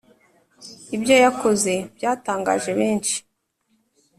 ibyo yakoze byatangaje benshi